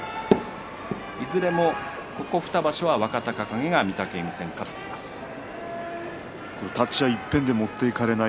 いずれも、ここ２場所は若隆景が御嶽海戦、勝っています。